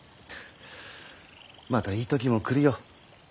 またいい時も来るよ。